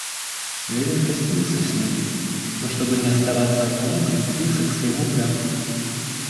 Левин простился с ними, но, чтобы не оставаться одному, прицепился к своему брату.